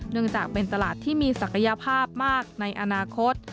เนื่องจากเป็นตลาดที่มีศักยภาพมากในอนาคต